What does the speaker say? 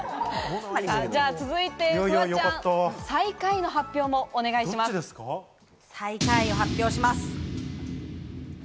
続いてフワちゃん、最下位の最下位を発表します。